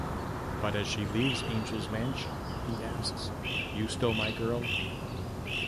But as she leaves Angel's mansion, he asks, You still my girl?